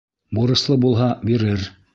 Бурыслы булһа, бирер.